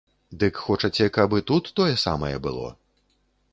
Дык хочаце, каб і тут тое самае было?